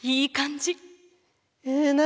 え何？